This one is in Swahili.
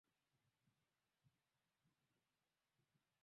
kuona kwamba uchaguzi kama huu haukubaliki na